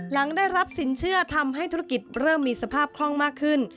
หลังได้รับสินเชื่อทำให้ธุรกิจเริ่มมีสภาพคล่องมากขึ้น